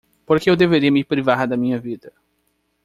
Por que eu deveria me privar da minha vida?